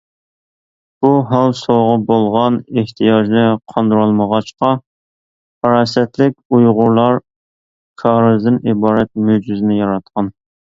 بۇ ھال سۇغا بولغان ئېھتىياجنى قاندۇرالمىغاچقا، پاراسەتلىك ئۇيغۇرلار كارىزدىن ئىبارەت مۆجىزىنى ياراتقان.